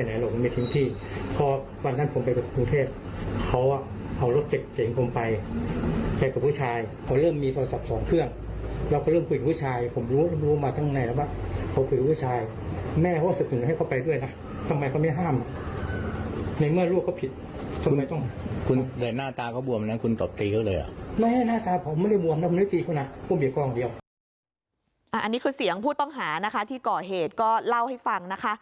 อันนี้คือเสียงผู้ต้องหานะคะที่ก่อเหตุก็เล่าให้ฟังนะคะ